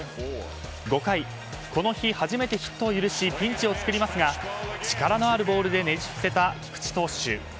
５回、この日初めてヒットを許しピンチを作りますが力のあるボールでねじ伏せた菊池投手。